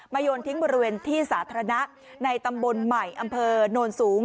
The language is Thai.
โยนทิ้งบริเวณที่สาธารณะในตำบลใหม่อำเภอโนนสูง